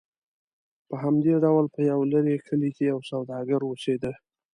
په همدې ډول په یو لرې کلي کې یو سوداګر اوسېده.